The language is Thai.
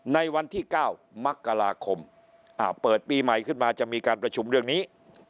ในวันที่๙มกราคมเปิดปีใหม่ขึ้นมาจะมีการประชุมเรื่องนี้